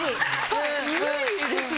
はい無理ですね。